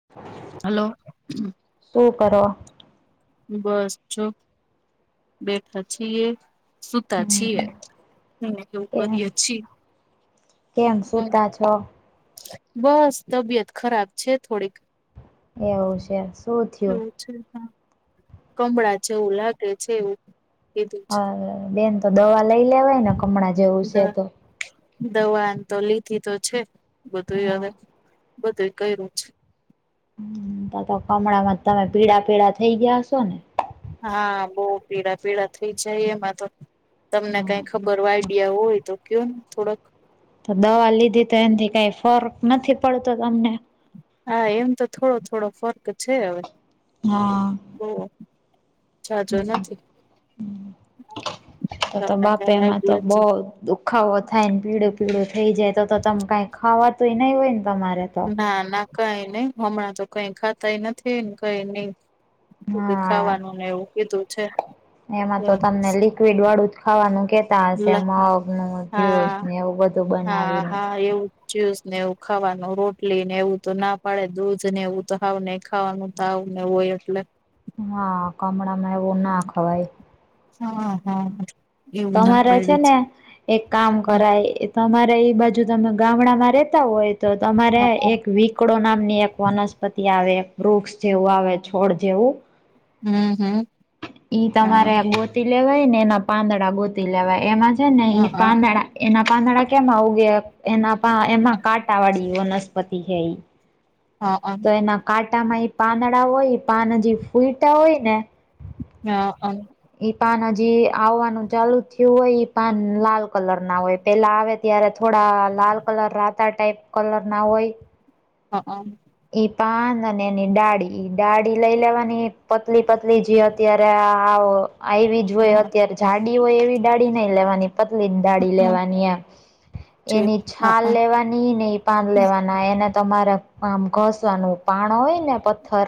[inaudible] Hello. શું કરો? બસ છો બેઠા છીએ. સુતા છીએ હમ હ એવું કેમ કરીએ છીએ કેમ હું સુતા છો બસ તબિયત ખરાબ છે થોડીક. એવું છે શું થયું? [inaudible] કમળા જેવું લાગે છે એવું. કીધું હા બેન તો દવા લઈ લેવાય ને કમળ દવા દવા તો લીધી તો છે બધું હા હવે. બધું એ કર્યું છે. તો કમળ માં તમે પીડા પીડા થઈ ગયા હશો ને. હા બહુ પીડા પીડા થઈ જાય એમાં તો તમને કઈ હમ ખબર ભરવા આઈડિયા હોય તો કે થોડક તો દવા લીધી તો એથી કઈ ફર્ક નથી પડતો તમને? હા એમ તો થોડો થોડો ફર્ક છે હવે. હા. [unintelligible] જાજો તો નથી તો [unintelligible] તમને કઈ તો આઈડિયા બહુ દુ ખાવો થાય ને પીળું પીળું થઈ જાય તો તો તમે કાંઈ ખાવાતુંય નહીં હોય ને તમારે. તો ના ના કઈ નઈ હમણાં તો કઈ ખાતાય નથી કઈ નઈ. [unintelligible] હા ખાવાનું ને એવું કીધું છે. એમાં તો તમને લિક્વિડ વાળું જ ખાવાનું કે કેતા હશે મગ નું જુસ હા ને એવું બધું હા બનાવીને. હા એવું જ્યુસ ને એવું ખાવાનું રોટલી ને એવું તો ના પાડે દૂધ ને એવું તો હાવ ને ખાવાનું તાવ ને હોય એટલે. હા! કમળ માં એવું ના ખવાય. હા હા! એવું ના તમારે છે પાયડી ને. એક કામ હા કરાય. એ તમારે એ બાજુ તમે ગામડામાં રેતા હોય. તો તમારે હા એક વીક. કીકડો નામની એક વનસ્પતિ આવે. એક વૃક્ષ જેવું આવે. છોડ જેવું. હમ હમ! ઈ હા તમારે ગોતી લેવાય ને. એના પાંદડા ગોતી લેવાય. એમાં છે ને હા ઈ હા પાંદડા. એના પાંદડા કેમાં ઉગે એના એમાં કાંટા વાળી વનસ્પતિ છે એ. હા તો એના કાંટામાં એ પાંદડા હોય. પાનજી ફૂલટા હોય ને? હા હ! ઈ પાન હજી આવવાનું ચાલુ થયું હોય, પાન લાલ કલર ના હોય. પેલા આવે ત્યારે, થોડા લાલ કલર રાતા ટાઈપ કલર ના હોય. હા હ! ઈ પાન અને એની ડાળી. ડાળી લઈ લેવાની, પતલી પતલી જે અત્યારે આવો. અઈવીધ. જોય અત્યારે જાડી હોય એવી દ ડાળી નહી લેવાની. પતલી ડાળી હા લેવાની એમ. છે એની હા છાલ હા લેવાની. પાની નહિ પાન લેવાના એને તમારે આમ ઘસવાનું. પાણ હોય ને પથ્થર.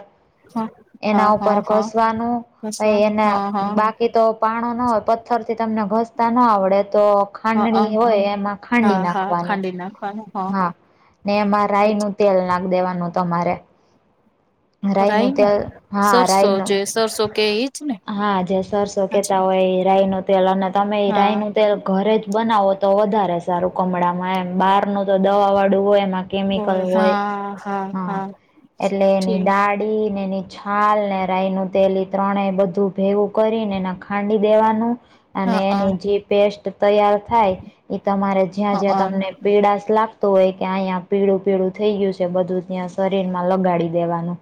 હા. એના હા ઉપર હા ઘસવાનું કસ પ એના હા હા બાકી એ તો પાણો ના હોય પથ્થર થી તમને ઘસતા ના આવડે તો હા ખાંડડી હોય એમાં ખાંડી હા હા નાખવાનું ખાંડી નાખવાનું હા ને એમાં રાય નુ પછી તેલ નાખ દેવાનું તમારે. રાય નું ત્યા હા સરસો રાય ન જે સરસો કે એજ ને હા જે સર હાચી શકતા હોય હિરાઈ નું તેલ અને તમે હિરાઈ હા નું તેલ ઘરે જ બનાવો તો વધારે સારું કમળમાં એમ બહાર નું તો દવા વાળું હોય એમાં મિકલ હોય હા એટલે એની ઠીક કડી ને એની છાલ ને રાય નું તેલ ત્રણે બધું ભેગું કરીને એ ખાંડી દેવાનું અને હા હા એની જે પેસ્ટ તૈયાર થાય એ તમારે જ્યાં જ્યાં તમને પીડાશ લાગતો હોય કે અહીંયા પીળું પીળું થઈ ગયું છે બધું ત્યાં શરીરમાં લગાડી દેવાનું.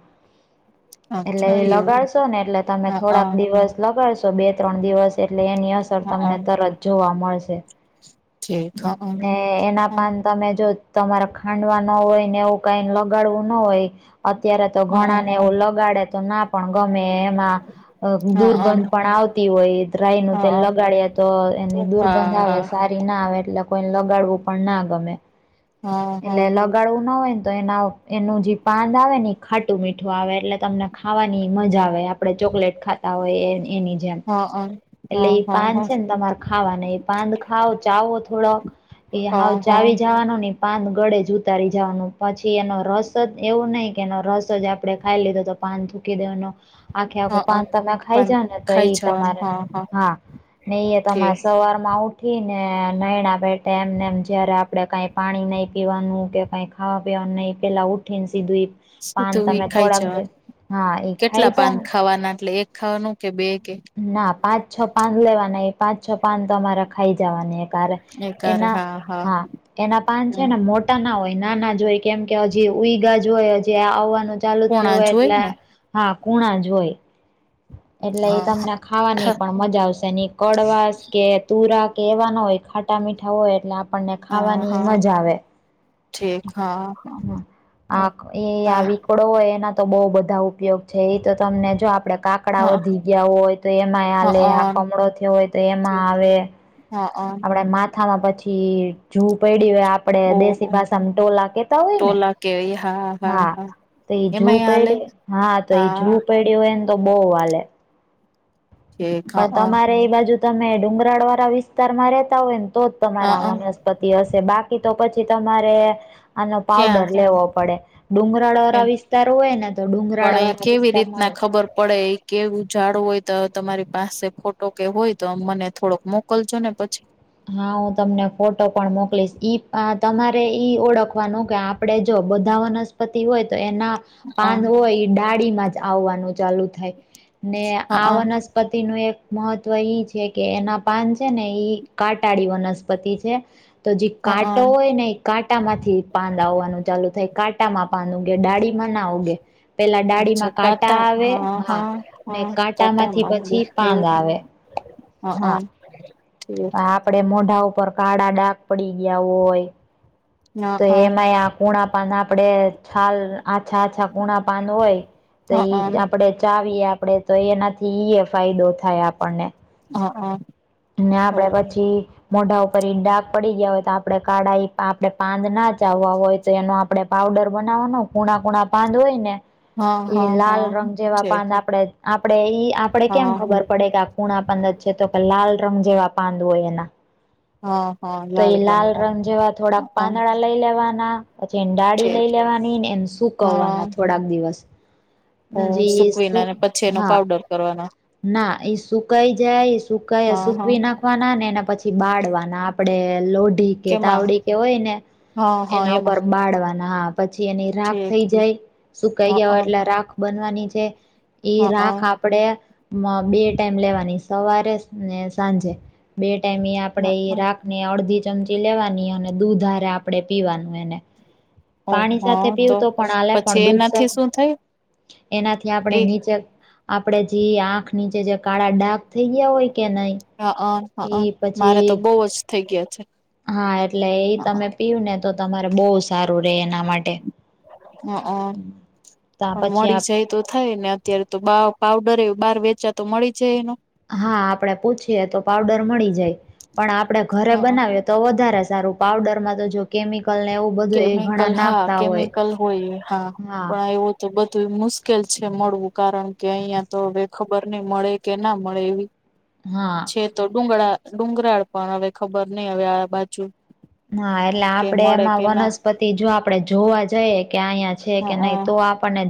એટલે અચ્છા એ એવું લગાડશો ને એટલે તમે થોડાક હા દિવસ લગાડશો બે ત્રણ દિવસ એટલે એની અસર હા તમને તરત જોવા મળશે ઠીક હા હા ને એના પાન તમે જો તમારે ખાંડવા ન હોય ને એવું કઈ લગાડવું ના હોય અત્યારે તો હા ઘણા ને એવું લગાડે તો ના પણ ગમે એમાં હા હા હા હા હા દુર્ગંધ પણ આવતી હોય ર્રાય ન તે લગાડ્યા તો એની દુર્ગંધ આવ સારી ના આવે એટલે કોઈને લગાડવું પણ ના ગમે. હા એટલે લગાડવું ના હોય ને તો એના એનું જે પાંદ આવે ને એ ખાટું મીઠું આવે એટલે તમને ખાવાની મજા આવે આપડે ચોકલેટ ખાતા હોય એની જેમ હા હ. એટલે એ પાન છે ને તમારે ખાવાનું એ પાંદ ખાઓ ચાવો થોડોક એ હઉ હા ચાવી જવાનો ને પાંદ ગળે જૂત ર જવાનું પછી એનો રસ જ એવો નહી કે એનો રસ જ આપડણે ખાઈ લીધો તો પાન ધૂકી દેવાનું આખે આખું હા પાન તમે ખાઈ પણ જ ને તો ખાઈ એઈ જવાનું તમારે હા હા ને એ ઠીક તમારે સવાર માં ઉઠ ઠી ને નાયણા બેઠ એમને એમ જયારે આપડે કાઈક પાણી નહી પીવાનું કે કઈ ખાવા પીવાનું નહી પેલા ઉઠી ને સીધું શું પાન તું એ તમે ખાઈ થોડાક દે જવાનું હા એ ખાઈ કેટલા પાન જાવ ને ખાવાના એટલે એક ખાવાનું કે બે કે? ના પાંચ છ પાન લેવાના એ પાંચ છ પાન તો અરે ખાઈ જવાની કાલે એના હા એના પાન હમ છેને, મોટા ના હોય નાના જ હોય કેમકે હજી ઉઈગાજ હોય, હજી આ આવવાનું ચાલુ થયું પોણા હોય જોઈ એટલે ને હા કુણા જ હોય એટલે એ હા તમને ખાવાની પણ મજા આવશે કડવાસ કે તુરા કે એવાના હોય ખાટા મીઠા હોય એટલે આપણને હા ખાવાની હા મજા આવે ઠીક હા હા આ એ આવી કપડો હોય એના તો બહુ બધા ઉપયોગ છે, એ તો તમને જો આપણે કા કકડાઓ હા ધી ગયા હોય તો એમાં આ હા લે આ, કમળો થયો હોય તો એમાં આવે હા હ આપડે માથામાં પછી જુ પડી હોય. આપડે ઓહો દેશી ભાષામાં ટોલા કેતા હોય ને હા તો એ જુ એમાંય હાલે પેડ્યું હા તો એ જુ પેડ્યું એને તો બહુ વાલે ઠીક પણ હા તમારે એ બાજુ તમે ડુંગરાળ વાળા વિસ્તારમાં રેતા હોય ને તોજ તમારે હા આવાનુ પતિ હશે બાકી તો પછી તમારે આનો પાવડર ક્યાં લેવો પડે ડુંગરાળ એમ વાળા વિસ્તાર હોય ને તો ડુંગરાળ પણ એ વાળા વિસ્તાર કેવી ના રીતના હોય ખબર પડે કેવું ાડું હોય તો તમારી પાસે ફોટો કે હોય, તો મને થોડોક મોકલજો ને પછી હા હું તમને ફોટો પણ મોકલીશ ઈ તમારે ઈ ઓળખવાનું કે આપણે જો બધા વનસ્પતિ હોય તો એના પાન હોય ડાળી માં જ આવવાનું ચાલુ થાય ને હ હ આ વનસ્ પતિ નું એક મહત્વ ઈ છે કે એના પાન છેને. કાંટાળી વનસ્પતિ છે, તો જે હ કાંટો હોય ને કાંટા માંથી પાંદ આવવાનું ચાલુ થાય કાંટામાં વાનું ડાળીમાં ના ઉગે પેલા અચ્છા ડાળીમાં કાંટા કાતા આવે હા ને હા કાંટામાંથી કાટામાં પછી પાંદ એવું આવે હા અ આપડે મોઢા ઉપર કાળા ડાક પડી ગયા હોય. તો એમાંય આ કૂણા પાન આપડે છાલ આછા આછા કૂણા પાન હોય. તો હા એ આપણેે ચાવીએ આપણેે તો એનાથી ઈ ફાયદો થાય આપણને હા હા ને આપડે પછી. મોઢા ઉપર ઈ ડક પડી ગયા હોય તો આપડણે કાળા આપડણે પાંદ ના ચાવવા હોય. તો એનો આપડણે પાવડર બનાવવાનો કુણા કૂણા પાંદ હોય ને હા એ હા લાલ હા રંગ જેવા છે પાંદ આપણે આપડે ઈ આપડે કેમ હા ખબર પડે કે આ કૂણા પાંદ જ છે, તો કે લાલ રંગ જેવા પાંદ હોય એના હ હા તો એ લાલ રંગ જેવા થોડાક હા પાંદડા લઈ લેવાના પછી એ છે ડાળી લઈ લેવાનીને એ સ હા કવાના થોડાક દિવસ ઓ પછી એ સુકવીના શું અને પછી એનો હા પાવડર કરવાના ના એ સુકાઈ જાય સુકાય હા હા સુકવી નાખ વાના ને એના પછી બાળવાના આપડે લોઢી કે કેમાં તાવડી કે હોય ને હા હા એના એમાં ઉપર બાડવાના હા પછી એની રાખ ઠીક થઈ જાય સુકાઈ હા ગયા હોય એટલે રાખ બનવાની છે. ઈ હા રાખ આપણે બે ટાઈમ લેવાની સવારે ને સાંજે બે ટાઈમ આપણે રાખ અડધી ચમચી લેવાની અને દૂધારે આપડણે પીવાનું એને ઓ પાણી હા સાથે પીવું તો પણ આ લ પણ પછી દૂધ એનાથી સાથે શું થાય એનાથી આપણે એ નીચે આપણેે જે આંખ નીચે જે કાળા ડાક થઈ ગયા હોય, કે નહી. હા હ એ હા મારે પછી તો બહ જ થઇ ગયા છે. હા એટલે એ તમે પીયું ને તો તમારે બહુ સારું રે એના માટે હ હ તા પણ પછી મળી આપ જાય તો થાય ને અત્યારે તો બ પઉડર એવ બહાર વેચા તો મળી જાય એનું. હા આપડે પૂછીએ તો પાવડર મળી જાય પણ આપડણે ઘરે હઅ બનાવીએ તો વધારે સારું પાવડરમાં તો જો કેમિકલ ને એવુ કેમિકલ હા કેમિકલ હોય હા પણ એવું. તો બધું એ મુશ્કેલ છે મળવું કારણ કે અહિયાં તો હવે ખબર નહી મળે કે ના મળે એવી [inaudible] હા. છે તો ડુંગળા ડુંગરાળ પણ હવે ખબર નહી હવે આ બાજુ. હા એટલે કે આપડે મળે એમાં કે ના વનસ્પતિ જો આપડે જોવા જઈએ કે અહીંયા છે હઅ કે નહી હા તો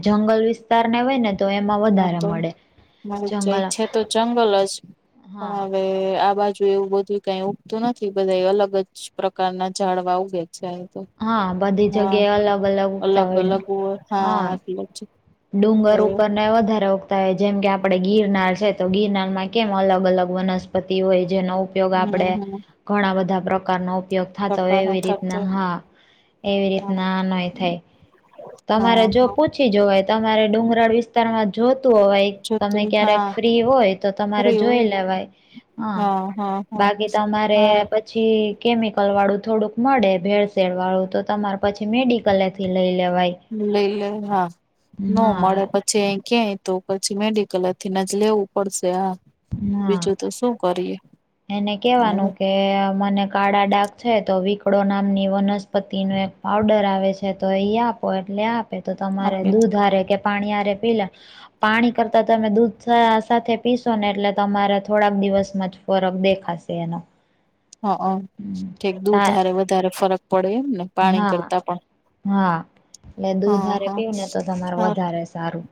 જંગલ વિસ્તાર ને હોય ને તો એમાં વ હા તો મરી જાય છે તો જંગલ જ પણ હા હવે આ બાજુ એવું બધું કઈ ઉગતું નથી બધા એ અલગ જ પ્રકારના ઝાડવા ઉગે છે તો હા બધી હા જગ્યાએ અલગ ઉગતા અલગ અલગ હોય હા એટલ જ ડુંગર ઉપર હમ ને વધારે જેમ કે આપણે ગિરનાર છે તો ગિરનારમાં કેમ અલગ અલગ વનસ્પતિ હોય જેનો ઉપ ઉપયોગ આપડે હમ ઘણા બધા પ્રકારનો ઉપયોગ. થતો હોય પ્રકાર ન એવી થતો રીતના હા એવી હા રીતના નાય થાય. તમારે હા જો હા પૂછી જોવાય તમારે ડુંગરાળ વિસ્તારમાં જોતું હોવાય. તમે જતું ક્યારેક હા ફ્રી હોય તો તમારે અરે જોઈ એવું લેવાય હા હા હા બાકી તમારે હા પછી પછી કેમિકલ વાળું થોડુંક મળે ભેળસેેળ વાળું તો તમારે પછી મેડિકલેથી લઈ લેવાય. લઈ લે હા નો મળે હા પછી. જે કેય તો પછી મેડિકલથીને જ લેવું પડશે હા હા બીજું તો શું કરીએ એને હવે કેવાનું કે મને કાળા ડાક છે તો વીિકડો નામની વનસ્પતિ નો એક પાવડર આવે છે તો એ આપો એટલે આપ તો તમારે આપે હ દૂધ હારે કે પાણીરે પી લ પાણી કરતા તમે દૂધ સાથે પીશ આપને ને એટલે તમારે થોડાક દિવસમાં જ ફરક દેખાશે એનો હ હ કક દૂધ તા હારે વધારે ફરક પડે એમને હા હા એટલે હા દૂધારે હા પીવું ને તો તમાર સારું વધારે સારું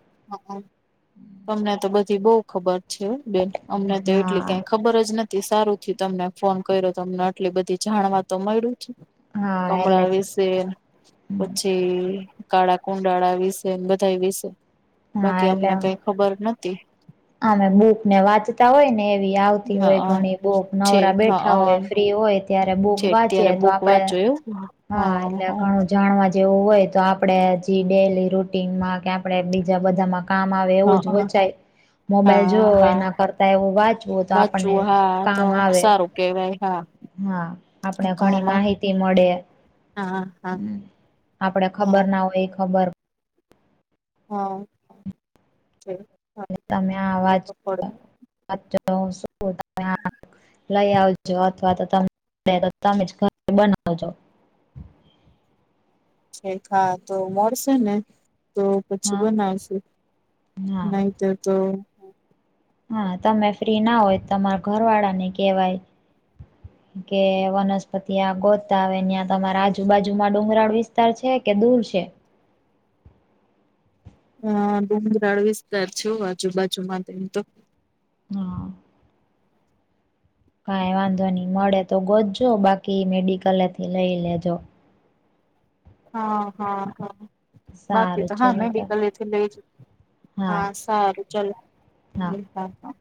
તમને તો બધી બહ ખબર છે બેન અમને તો એટલી હા કાઈક ખબર જ નથી સારું થી તમને ફોન કર્યો તમને આટલી બધી જાણવા તો મળ્યું છે. હા એટલે કમણા વિશે પછી. કાળા કુંડાળા વિશે બધા વિશે હા બાકી અમને એટલે કઈ ખબર નથી. આમે બુક ને વાંચતા હોય ને એવી આવતી હોય હા ઘણી બુક નવરા છેક બેઠા હા હોય ફ્રી હોય. ત્યારે બુક છેક ત્યારે વાંચી તો બુક આપડે વાંચો એવું હ હા એટલે ઘણું. જાણવા જેવું હોય તો આપડે હજી ડેલી રૂટીનમાં કે આપણેે બીજા બધામાં કામ આવે હા એવું જ વચાય. મોબાઈલ હા જોવો હા એના કરતા એવું વાંચવું હોય તો આપણને વાંચવું હા તો કામ આવે સારું કેવાય હા હા આપણે ઘણી કામાં માહિતી મળે હા હા. આપડે ખબર હા ના હોય એ ખબર હા છે. તમે અવાજ વા શ ત [unintelligible] લઈ આવજો અથવા તો તમે તો તમે જ ઘરે બનાવજો હા તો મળશે ને તો પછી હા બનાવશું હા નહી તો તો હા તમે ફ્રી ના હોય તમારા ઘર વાળા ને કેવાય હ કે વનસ્પતિ આ ગોતાવે ત્યાં તમારા આજુબાજુમાં ડુંગરાળ વિસ્તાર છે કે દૂર છે. હ ડુંગરાળ વિસ્તાર છે, આજુબાજુમાં તેમ તો હા કાઈ વાંધો નહી મળે તો ગોજજો બાકી મેડિકલથી લઈ લેજો હા હા હા બાકી સારું તો હા ચલો મેં તો કલે એથી લઈ જ હા સારું ચલો હા એ